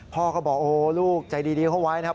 พ่อก็บอกโอ้โหลูกใจดีเข้าไว้นะครับ